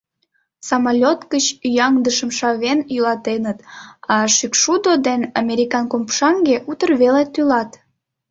Самолёт гыч ӱяҥдышым шавен йӱлатеныт, а шӱкшудо ден американ копшанге утыр веле тӱлат.